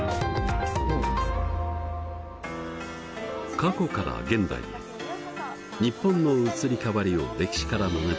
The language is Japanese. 過去から現代へ日本の移り変わりを歴史から学び